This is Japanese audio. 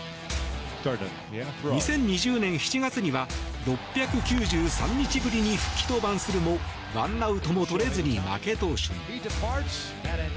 ２０２０年７月には６９３日ぶりに復帰登板するも１アウトも取れずに負け投手に。